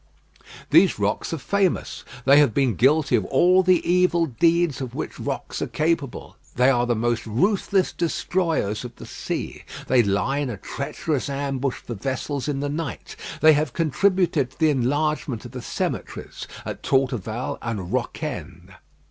These rocks are famous. They have been guilty of all the evil deeds of which rocks are capable. They are the most ruthless destroyers of the sea. They lie in a treacherous ambush for vessels in the night. They have contributed to the enlargement of the cemeteries at Torteval and Rocquaine.